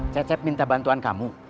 cecep minta bantuan kamu